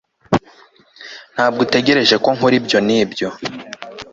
Ntabwo utegereje ko nkora ibyo nibyo